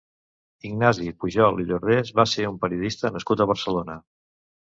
Ignasi Pujol i Llordés va ser un periodista nascut a Barcelona.